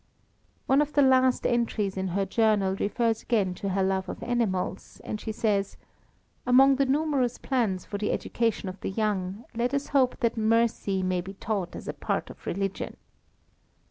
One of the last entries in her journal refers again to her love of animals, and she says, "Among the numerous plans for the education of the young, let us hope that mercy may be taught as a part of religion."